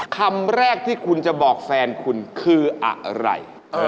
คำแรกที่คุณจะบอกแฟนคุณคืออะไร